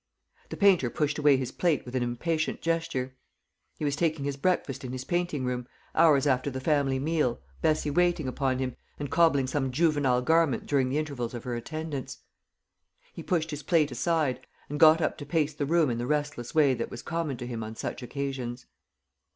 The painter pushed away his plate with an impatient gesture. He was taking his breakfast in his painting room, hours after the family meal, Bessie waiting upon him, and cobbling some juvenile garment during the intervals of her attendance. He pushed his plate aside, and got up to pace the room in the restless way that was common to him on such occasions.